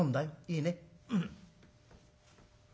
いいね？」。